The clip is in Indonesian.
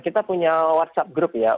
kita punya whatsapp group ya